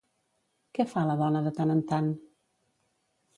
Què fa la dona de tant en tant?